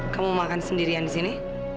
kamu makan sendirian di sini